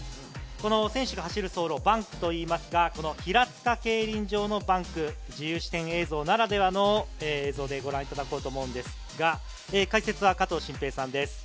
選手が走るところ、バンクと言いますが、平塚競輪場のバンク、自由視点映像ならではの映像でご覧いただこうと思うんですが解説は加藤慎平さんです。